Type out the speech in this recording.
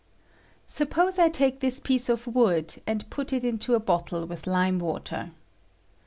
Suppose I take this piece of wood, and put it into a bottle with lime water.